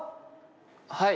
はい。